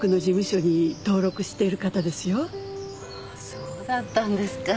そうだったんですか。